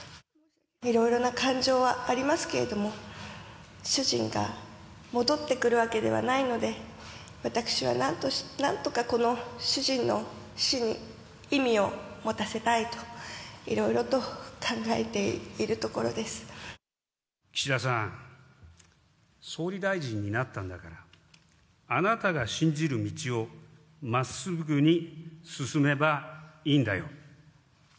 いろいろな感情はありますけれども、主人が戻ってくるわけではないので、私はなんとかこの主人の死に意味を持たせたいと、岸田さん、総理大臣になったんだから、あなたが信じる道をまっすぐに進めばいいんだよ。